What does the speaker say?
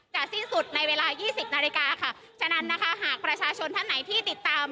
สิ้นสุดในเวลายี่สิบนาฬิกาค่ะฉะนั้นนะคะหากประชาชนท่านไหนที่ติดตาม